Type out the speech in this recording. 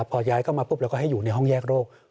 พอย้ายเข้ามาปุ๊บเราก็ให้อยู่ในห้องแยกโรค